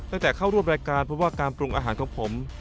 เข้าร่วมรายการเพราะว่าการปรุงอาหารของผม